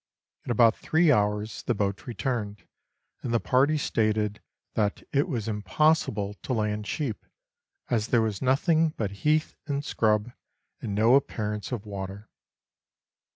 In about three hours the boat returned, and the parties stated that it was impossible to land sheep, as there was nothing but heath and scrub, and no appear ance of water.